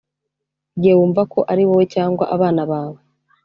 igihe wumva ko ari wowe, cyangwa abana bawe,